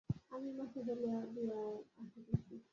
আমি মাকে বলিয়া দিয়া আসিতেছি।